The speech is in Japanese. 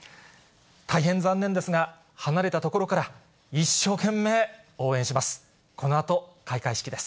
大変残念ですが、離れた所から一生懸命応援します。